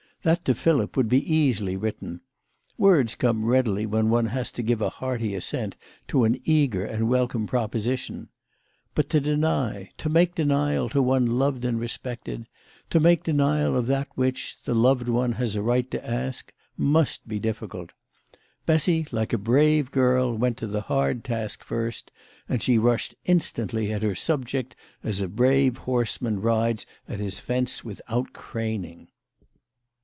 That to Philip would be easily written. Words come readily when one has to give a hearty assent to an eager and welcome proposition. But to deny, to make denial to one loved and respected, to make denial of that which the loved one has a right to ask, must be difficult. Bessy, like a brave girl, went to the hard task first, and she rushed instantly at her subject, as a brave horseman rides at his fence without craning.